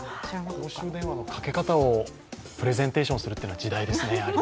公衆電話のかけ方をプレゼンテーションするって、時代ですね。